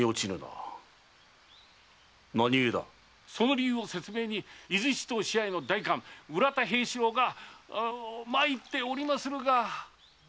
理由を説明に伊豆七島支配の代官浦田平四郎が参っておりますが。